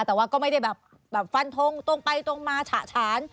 แต่ว่าก็ไม่ได้แบบฟันทงตรงไปตรงมาฉะฉาน